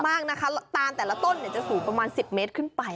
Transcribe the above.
มากนะคะตานแต่ละต้นจะสูงประมาณ๑๐เมตรขึ้นไป